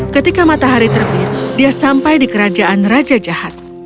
ketika matahari terbit dia sampai di kerajaan raja jahat